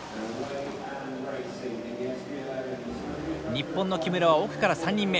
日本の木村は奥から３人目。